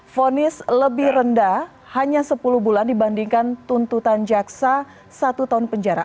fonis lebih rendah hanya sepuluh bulan dibandingkan tuntutan jaksa satu tahun penjara